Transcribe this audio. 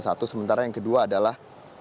sementara yang kedua adalah